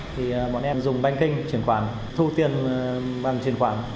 thì bọn em dùng banh kinh chuyển khoản thu tiền bằng chuyển khoản